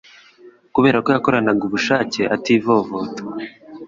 kubera ko yakoranaga ubushake ativovota